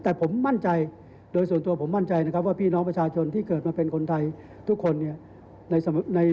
แต่ผมมั่นใจโดยส่วนตัวผมมั่นใจนะครับว่าพี่น้องประชาชนที่เกิดมาเป็นคนไทยทุกคนเนี่ย